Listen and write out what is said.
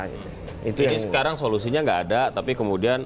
jadi sekarang solusinya gak ada tapi kemudian